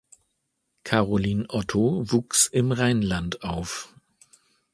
Carolin Otto wuchs im Rheinland auf.